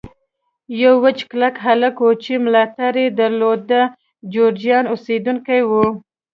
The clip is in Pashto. یو وچ کلک هلک وو چې ملاریا یې درلوده، د جورجیا اوسېدونکی و.